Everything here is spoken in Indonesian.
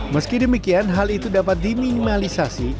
meski demikian hal itu dapat diminimalisasi